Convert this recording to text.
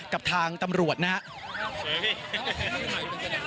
กับทางตำรวจนะครับ